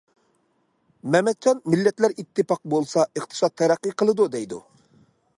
مەمەتجان مىللەتلەر ئىتتىپاق بولسا، ئىقتىساد تەرەققىي قىلىدۇ، دەيدۇ.